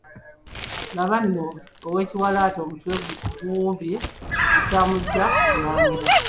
Laba nno ow'ekiwalaata omutwe guwumbye, Ekyamuggya ku Bulangira.